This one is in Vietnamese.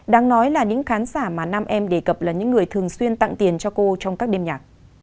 đáng nói là những khán giả mà nam em đề cập là những người thường xuyên tặng tiền cho cô trong các đêm nhạc